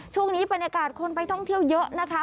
ช่วงนี้บรรยากาศคนไปท่องเที่ยวเยอะนะคะ